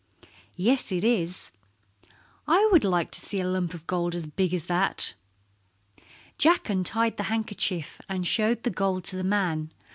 "Yes, it is." "I would like to see a lump of gold as big as that." Jack untied the handkerchief and showed the gold to the man.